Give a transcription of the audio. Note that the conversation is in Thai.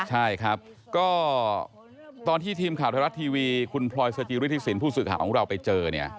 ใช่ครับก็ตอนที่ทีมข่าวไทยรัฐทีวีคุณพลอยสจิริธิสินผู้สื่อข่าวของเราไปเจอเนี่ย